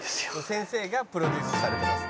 「先生がプロデュースされてます」